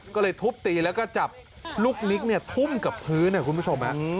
ก็เลยทุบตีแล้วก็จับลูกนิกทุ่มกับพื้นคุณผู้ชม